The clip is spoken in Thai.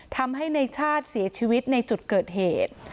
ทำให้ในชาติเสียชีวิตในจุดเกิดเหตุ